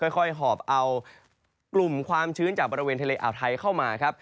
ค่อยหอบเอากลุ่มความชื้นจากบริเวณทะเลอาวไทยเข้ามาครับ